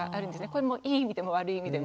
これもいい意味でも悪い意味でも。